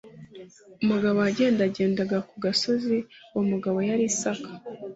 umugabo wagendagendaga ku gasozi uwo mugabo yari isaka